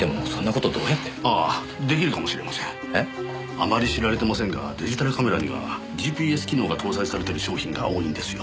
あまり知られてませんがデジタルカメラにはＧＰＳ機能が搭載されてる商品が多いんですよ。